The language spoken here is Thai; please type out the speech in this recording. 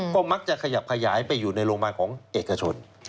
ก็มักจะขยับขยายไปอยู่ในโรงพยาบาลของเอกชน